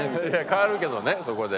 変わるけどねそこで。